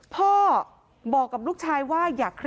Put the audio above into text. พ่อบอกกับลูกชายว่า